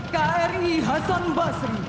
kri hasan basri